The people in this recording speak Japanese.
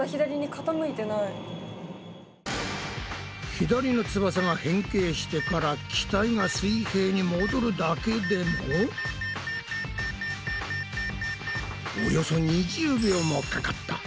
左の翼が変形してから機体が水平に戻るだけでもおよそ２０秒もかかった。